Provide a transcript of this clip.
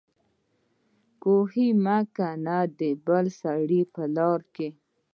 کوهي مه کينه دبل سړي په لار کي